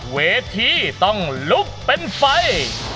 เพราะว่าเวทีต้องลุกเป็นไฟ